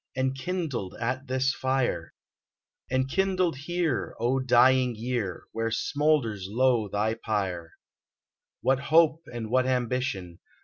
Enkindled at this fire !— Enkindled here, O dying year ! Where smoulders low thy pyre. What hope and what ambition.